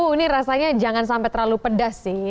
ini rasanya jangan sampai terlalu pedas sih